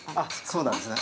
そうなんですね。